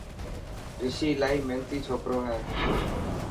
رشي الاهي ميهنتي ڇوڪرو هي.